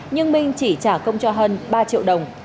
nhưng minh chỉ trả công cho hân ba triệu đồng